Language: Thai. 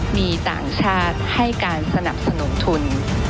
มีต่างชาติให้การสนับสนุนทุน